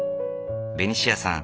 ベニシアさん